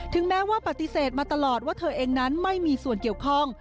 แม้ว่าปฏิเสธมาตลอดว่าเธอเองนั้นไม่มีส่วนเกี่ยวข้อง